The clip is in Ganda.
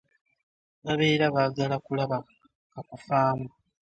Babeera baagala kulaba kakufaamu.